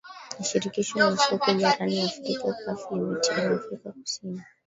na shirikisho la soka barani afrika caf limeteua afrika kusini